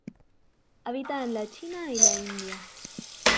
Habita en la China y la India.